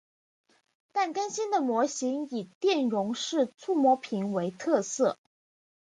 但更新的模型以电容式触摸屏为特色。